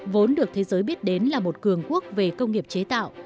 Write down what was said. vốn được thế giới biết đến là một cường quốc về công nghiệp chế tạo